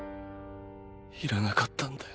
いらなかったんだよ。